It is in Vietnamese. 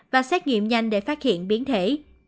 và xét nghiệm nhanh để phát hiện biến thể